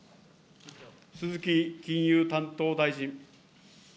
鈴木金融担当大臣。